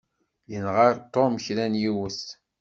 Yenɣa Tom kra n yiwet.